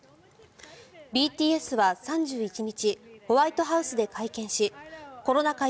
ＢＴＳは３１日ホワイトハウスで会見しコロナ禍